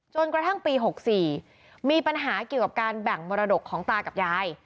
จนกระทั่งปี๖๔มีปัญหาเกี่ยวกับการแบ่งมรดกของตากับยาย